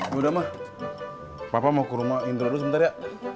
ya udah ma papa mau ke rumah indra dulu sebentar ya